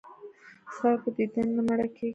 ستا په دیدن نه مړه کېږم.